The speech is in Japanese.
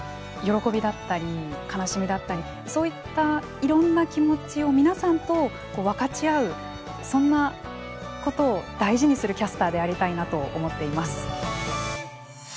喜びだったり悲しみだったりそういったいろんな気持ちを皆さんと分かち合うそんなことを大事にするキャスターでありたいなと思っています。